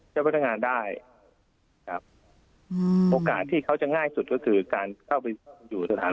จะไปทางงานได้อวกาศที่เขาจะง่ายสุดก็คือการเข้าไปอยู่สถาน